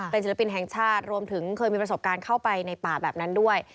ศิลปินแห่งชาติรวมถึงเคยมีประสบการณ์เข้าไปในป่าแบบนั้นด้วย